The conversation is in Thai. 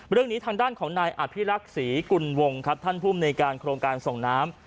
เรื่องนี้ทางด้านของนายอภิรักษ์ศรีกุลวงครับท่านภูมิในการโครงการส่งน้ำ